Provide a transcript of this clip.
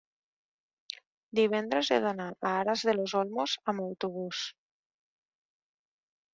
Divendres he d'anar a Aras de los Olmos amb autobús.